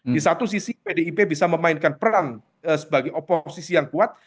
di satu sisi pdip bisa memainkan peran sebagai oposisi yang kuat